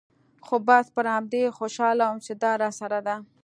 خو بس پر همدې خوشاله وم چې دا راسره ده.